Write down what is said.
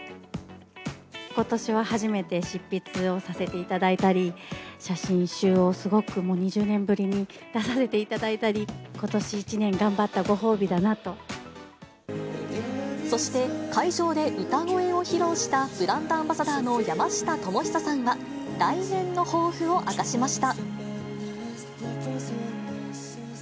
ことしは初めて執筆をさせていただいたり、写真集をすごくもう２０年ぶりに出させていただいたり、ことし一年、そして、会場で歌声を披露したブランドアンバサダーの山下智久さんは、来年の抱負を明かしました。